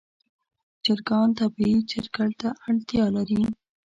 چرګان طبیعي چرګړ ته اړتیا لري.